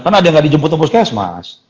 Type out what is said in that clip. karena ada yang gak dijemput ke puskesmas